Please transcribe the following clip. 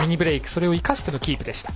それを生かしてのキープでした。